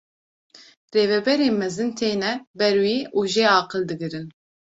Rêveberên mezin têne ber wî û jê aqil digirin.